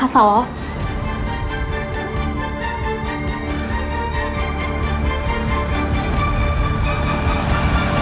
ขอบคุณค่ะ